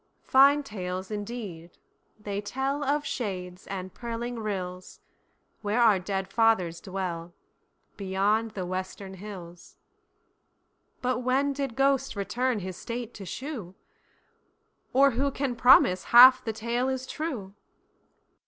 Fine tales indeed, they tellOf shades and purling rills, Where our dead fathers dwellBeyond the western hills, But when did ghost return his state to shew; Or who can promise half the tale is true?